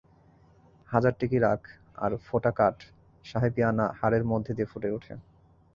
হাজার টিকি রাখ আর ফোঁটা কাট সাহেবিয়ানা হাড়ের মধ্যে দিয়ে ফুটে ওঠে।